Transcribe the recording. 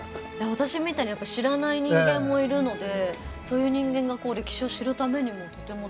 私みたいに知らない人間もいるのでそういう人間が歴史を知るためにもとても大事な。